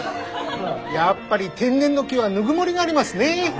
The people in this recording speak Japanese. やっぱり天然の木はぬくもりがありますね。